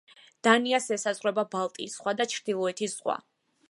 დანიას ესაზღვრება ბალტიის ზღვა და ჩრდილოეთის ზღვა.